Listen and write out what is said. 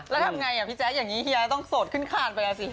แล้วทำไงพี่แจ๊คอย่างนี้เฮียต้องโสดขึ้นคานไปแล้วสิ